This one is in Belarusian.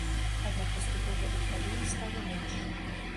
Аднак паступова эйфарыі стала менш.